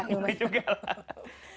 gak boleh juga lah